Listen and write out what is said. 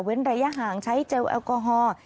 ระยะห่างใช้เจลแอลกอฮอล์